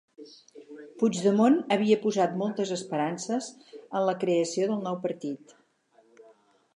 Puigdemont havia posat moltes esperances en la creació del nou partit.